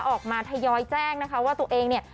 ออกมาทยอยแจ้งนะคะว่าตัวเองเนี่ย